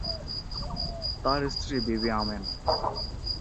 তার স্ত্রী বিবি আমেনা।